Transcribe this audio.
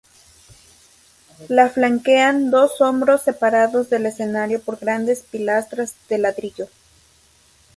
La flanquean dos hombros separados del escenario por grandes pilastras de ladrillo.